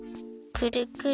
くるくる。